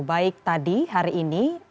baik tadi hari ini